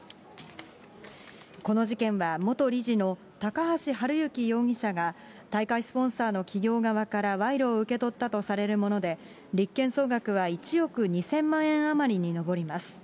この事件は元理事の高橋治之容疑者が、大会スポンサーの企業側から賄賂を受け取ったとされるもので、立件総額は１億２０００万円余りに上ります。